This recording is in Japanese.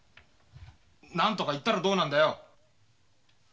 何とか言ったらどうなんだよ。